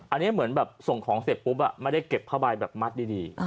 อันเนี้ยเหมือนแบบส่งของเสร็จปุ๊บอ่ะไม่ได้เก็บพระบายแบบมัดดีดี